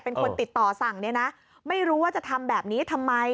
เป็นคนติดต่อสั่งเนี่ยนะไม่รู้ว่าจะทำแบบนี้ทำไม